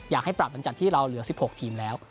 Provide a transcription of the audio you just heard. อยากให้ปรับหลังจากที่เราเหลือ๑๖ทีมแล้ว